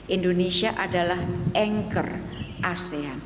indonesia adalah anchor asean